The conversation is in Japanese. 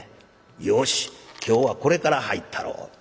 よし今日はこれから入ったろう。